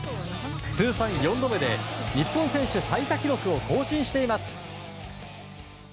通算４度目で日本選手最多記録を更新しています。